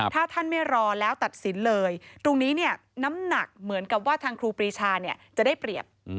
ถ้าท่านไม่รอแล้วตัดสินเลยตรงนี้เนี่ยน้ำหนักเหมือนกับว่าทางครูปรีชาจะได้เปรียบ